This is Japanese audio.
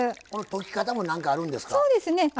この溶き方も何かあるんですか？